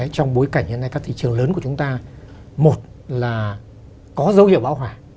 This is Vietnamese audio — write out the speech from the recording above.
trong bối cảnh hiện nay các thị trường lớn của chúng ta một là có dấu hiệu bão hỏa